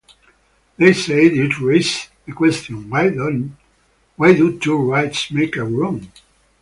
They say this raises the question, Why do two rights make a wrong?